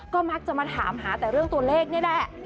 ก็มักจะมาถามหาแต่เรื่องตัวเลขนี่แหละ